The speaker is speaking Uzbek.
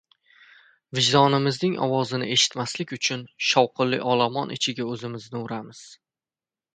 Vijdonimizning ovozini eshitmaslik uchun shovqinli olomon ichiga o‘zimizni uramiz.